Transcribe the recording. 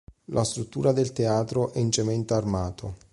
La struttura del teatro è in cemento armato.